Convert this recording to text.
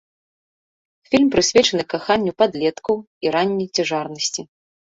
Фільм прысвечаны каханню падлеткаў і ранняй цяжарнасці.